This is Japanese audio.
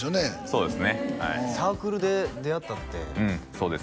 そうですねはいサークルで出会ったってうんそうです